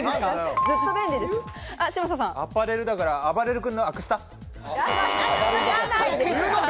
アパレルだから、あばれる君のアクスタ。